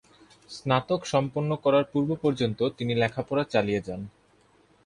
স্নাতক সম্পন্ন করার পূর্ব পর্যন্ত তিনি লেখাপড়া চালিয়ে যান।